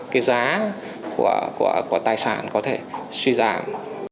cái giá của tài sản có thể suy giảm